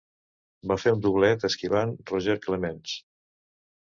Va fer un doblet esquivant Roger Clemens.